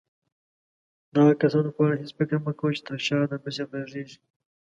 د هغه کسانو په اړه هيڅ فکر مه کوه چې تر شاه درپسې غږيږي.